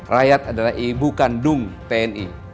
rakyat adalah ibu kandung tni